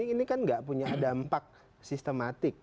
ini kan gak punya dampak sistematik